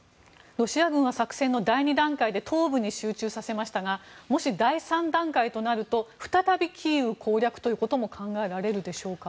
ロシア軍は作戦の第２段階で東部に集中させましたがもし第３段階となると再びキーウ攻略ということも考えられるでしょうか。